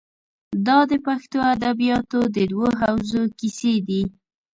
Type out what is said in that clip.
دا د پښتو ادبیاتو د دوو حوزو کیسې دي.